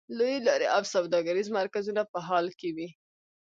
لویې لارې او سوداګریز مرکزونه په حال کې وې.